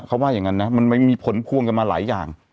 เขาว่าอย่างนั้นนะมันมีผลพวงกันมาหลายอย่าง